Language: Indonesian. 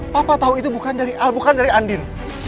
papa tau itu bukan dari andin